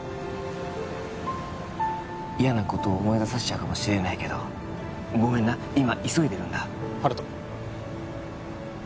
嫌なことを思いださせちゃうかもしれないけどごめんな今急いでるんだ温人